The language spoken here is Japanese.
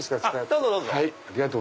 どうぞどうぞ。